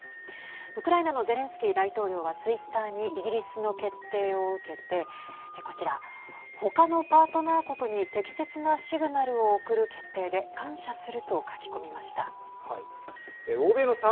ウクライナのゼレンスキー大統領はツイッターにイギリスの決定を受けてこちら、他のパートナー国に適切なシグナルを送る決定で感謝すると書き込みました。